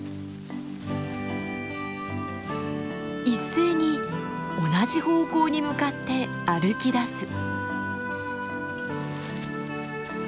一斉に同じ方向に向かって歩きだす。